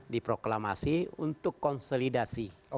di proklamasi untuk konsolidasi